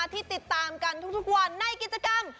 ที่ติดตามกันทุกวันในกิจกรรม